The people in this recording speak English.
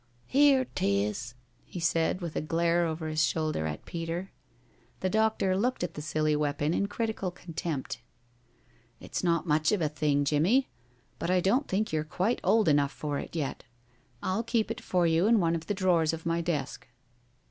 "Here 'tis," he said, with a glare over his shoulder at Peter. The doctor looked at the silly weapon in critical contempt. "It's not much of a thing, Jimmie, but I don't think you are quite old enough for it yet. I'll keep it for you in one of the drawers of my desk."